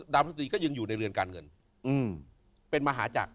พฤษฎีก็ยังอยู่ในเรือนการเงินเป็นมหาจักร